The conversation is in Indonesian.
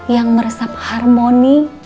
yang meresap harmoni